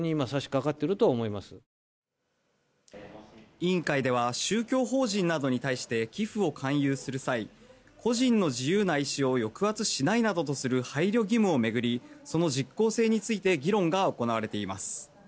委員会では宗教法人などに対して寄付を勧誘する際個人の自由な意思を抑圧しないなどとする配慮義務を巡りその実効性について議論が行われています。